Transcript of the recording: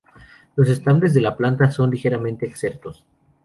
Los estambres de la planta son ligeramente exertos.